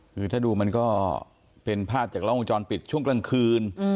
คือถ้าดูมันก็เป็นภาพจากล้องวงจรปิดช่วงกลางคืน